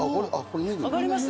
上がります？